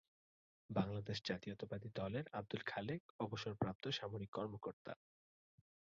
বাংলাদেশ জাতীয়তাবাদী দলের আব্দুল খালেক অবসরপ্রাপ্ত সামরিক কর্মকর্তা।